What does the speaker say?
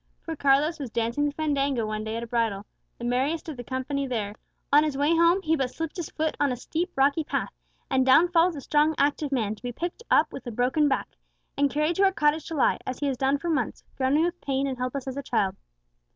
Poor Carlos was dancing the fandango one day at a bridal, the merriest of the company there; on his way home he but slipped his foot on a steep, rocky path, and down falls the strong, active man, to be picked up with a broken back, and carried to our cottage to lie, as he has done for months, groaning with pain, and helpless as a child."